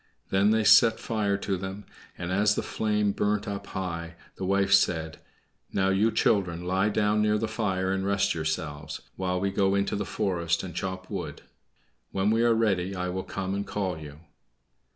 Then they set fire to them; and as the flame burnt up high, the wife said, "Now, you children, lie down near the fire, and rest yourselves, while we go into the forest and chop wood. When we are ready I will come and call you."